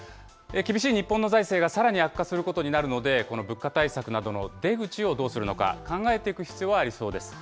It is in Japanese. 厳しい日本の財政がさらに悪化することになるので、この物価対策などの出口をどうするのか、考えていく必要はありそうです。